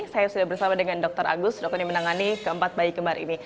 saya sudah bersama dengan dr agus dokter yang menangani keempat bayi kembar ini